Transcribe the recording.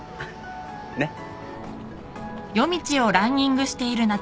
ねっ？